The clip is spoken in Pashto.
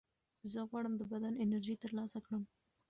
زه غواړم د بدن انرژي ترلاسه کړم.